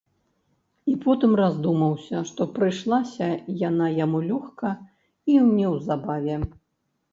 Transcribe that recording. І потым раздумаўся, што прыйшлася яна яму лёгка й неўзабаве.